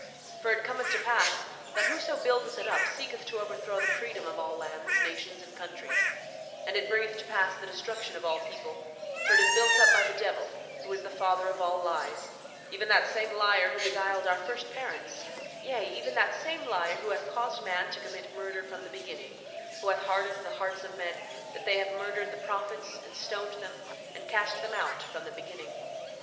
8:25 For it cometh to pass that whoso buildeth it up seeketh to overthrow the freedom of all lands, nations, and countries; and it bringeth to pass the destruction of all people, for it is built up by the devil, who is the father of all lies; even that same liar who beguiled our first parents, yea, even that same liar who hath caused man to commit murder from the beginning; who hath hardened the hearts of men that they have murdered the prophets, and stoned them, and cast them out from the beginning.